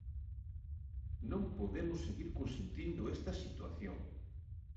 Non podemos seguir consentindo esta situación.